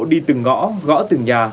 đi từng ngõ gõ từng nhà